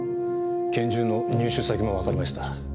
拳銃の入手先もわかりました。